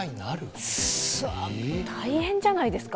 大変じゃないですか！